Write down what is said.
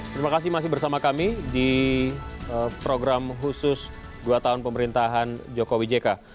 terima kasih masih bersama kami di program khusus dua tahun pemerintahan jokowi jk